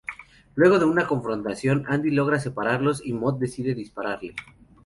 Luego de una confrontación, Andy logra separarlos y Moth decide dispararle.